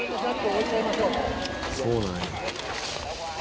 「そうなんや」